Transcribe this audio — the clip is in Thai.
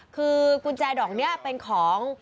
คือกุญแจดอกนี้เป็นของ